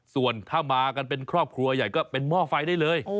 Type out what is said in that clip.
ส่วนถ้ามากันเป็นครอบครัวใหญ่ก็เป็นหม้อไฟได้เลย